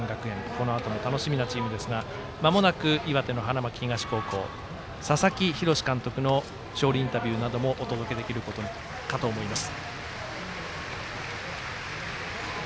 このあとも楽しみなチームですがまもなく、岩手の花巻東高校佐々木洋監督の勝利インタビューなどもお届けできるかと思います。